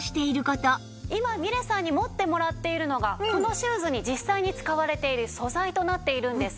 今みれさんに持ってもらっているのがこのシューズに実際に使われている素材となっているんですが。